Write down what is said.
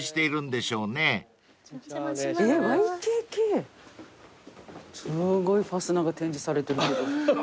すーごいファスナーが展示されてる。